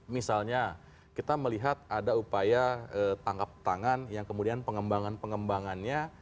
misalnya kita melihat ada upaya tangkap tangan yang kemudian pengembangan pengembangannya